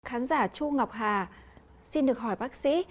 khán giả chu ngọc hà xin được hỏi bác sĩ